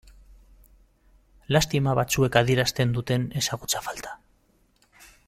Lastima batzuek adierazten duten ezagutza falta.